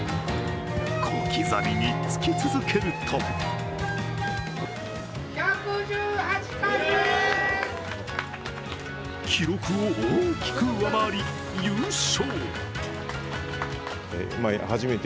小刻みにつき続けると記録を大きく上回り、優勝。